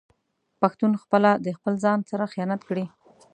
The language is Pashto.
پښتون خپله د خپل ځان سره خيانت کړي